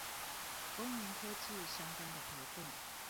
公民科技相關的活動